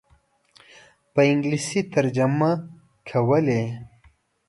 په انګلیسي ترجمه کولې.